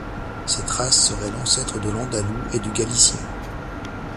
Cette race serait l’ancêtre de l’Andalou et du Galicien.